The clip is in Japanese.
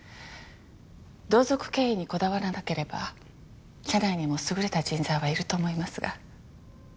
同族経営にこだわらなければ社内にも優れた人材はいると思いますが。